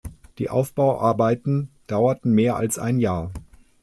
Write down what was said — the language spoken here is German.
Die Aufbauarbeiten dauerten mehr als ein Jahr.